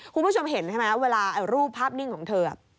คุณผู้ชมเห็นใช่ไหมเวลารูปภาพนิ่งของเธอ